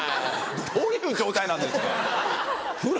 どういう状態なんですか風呂。